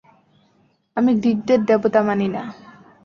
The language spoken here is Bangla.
আমি গ্রীকদের দেবতা মানি না।